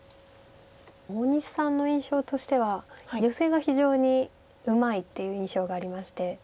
大西さんの印象としてはヨセが非常にうまいっていう印象がありまして。